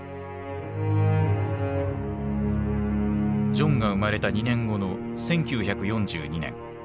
ジョンが生まれた２年後の１９４２年。